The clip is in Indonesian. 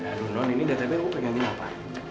aduh non ini data yang aku pengganti apa